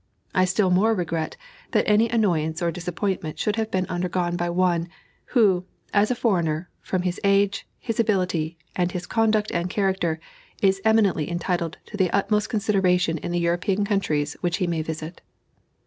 I still more regret that any annoyance or disappointment should have been undergone by one, who as a foreigner from his age, his ability, and his conduct and character, is eminently entitled to the utmost consideration in the European countries which he may visit.